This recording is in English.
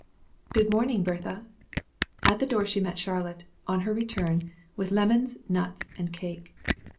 "Good morning, Bertha." At the door she met Charlotte, on her return, with lemons, nuts, and cake.